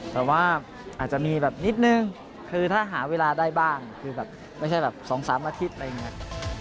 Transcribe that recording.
แต่ว่าอาจจะมีแบบนิดนึงคือถ้าหาเวลาได้บ้างคือแบบไม่ใช่แบบ๒๓อาทิตย์อะไรอย่างนี้